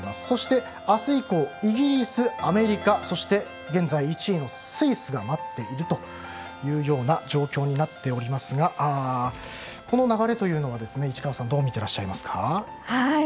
そして、あす以降イギリス、アメリカそして現在１位のスイスが待っているという状況になっておりますがこの流れというのは市川さんどう見ていらっしゃいますか？